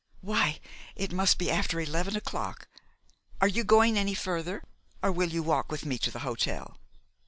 Why, it must be after eleven o'clock! Are you going any farther, or will you walk with me to the hotel?"